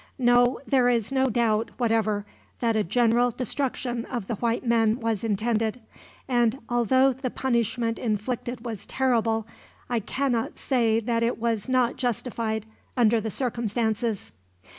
No, there is no doubt, whatever, that a general destruction of the white men was intended; and although the punishment inflicted was terrible, I cannot say that it was not justified, under the circumstances.